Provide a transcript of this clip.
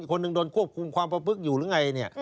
คนหนึ่งโดนควบคุมความประพฤกษ์อยู่หรือไงเนี่ย